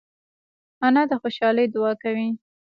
انا د خوشحالۍ دعا کوي